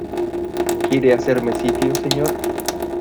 ¿ quiere hacerme sitio, señor?